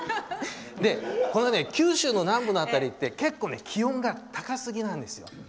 で、九州の南部辺りって結構、気温が高すぎなんですよ。